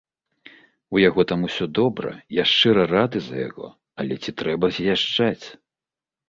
У яго там усё добра, я шчыра рады за яго, але ці трэба з'язджаць?